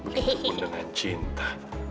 begitupun dengan cinta